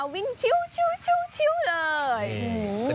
วิ่งชิ๊วเลย